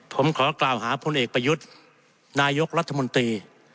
ผมขอกล่าวหาพลเอกประยุทธ์นายกรัฐมนตรี